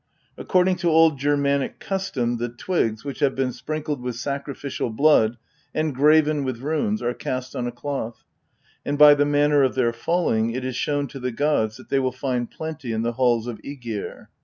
According to old Germanic custom the twigs, which have been sprinkled with sacrificial blood and graven with runes, are cast on a cloth, and by the manner of their falling it is shown to the gods that they will find plenty in the halls of ygir.